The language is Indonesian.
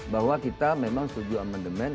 bahwa kita memang setuju amandemen